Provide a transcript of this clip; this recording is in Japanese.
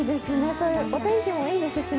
お天気もいいですしね。